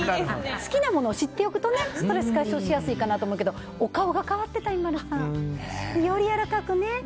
好きなものを知っておくとストレス解消がしやすいかなと思うけどお顔が変わってたＩＭＡＬＵさん。よりやわらかく。